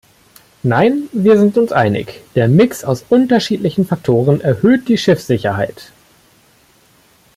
Nein, wir sind uns einig, der Mix aus unterschiedlichen Faktoren erhöht die Schiffssicherheit.